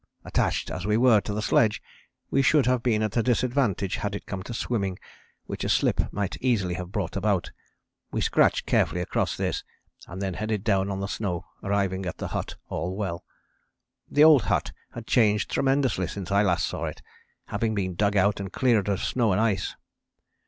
Attached as we were to the sledge we should have been at a disadvantage had it come to swimming, which a slip might easily have brought about. We scratched carefully across this and then headed down on the snow, arriving at the hut all well. The old hut had changed tremendously since I last saw it, having been dug out and cleared of snow and ice.